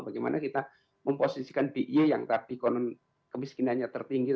bagaimana kita memposisikan bi yang tadi konon kemiskinannya tertinggi